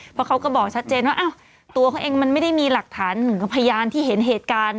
เพราะเขาก็บอกชัดเจนว่าตัวเขาเองมันไม่ได้มีหลักฐานเหมือนกับพยานที่เห็นเหตุการณ์